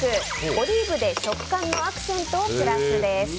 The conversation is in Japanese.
オリーブで食感のアクセントをプラスです。